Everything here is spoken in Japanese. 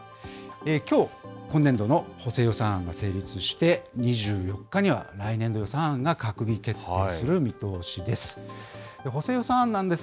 きょう、今年度の補正予算案が成立して、２４日には、来年度予算案が閣議決定する見通しです。